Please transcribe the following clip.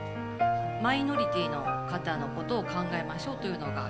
マイノリティーの方のことを考えましょうというのが今日の。